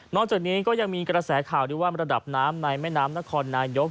จากนี้ก็ยังมีกระแสข่าวดีว่าระดับน้ำในแม่น้ำนครนายก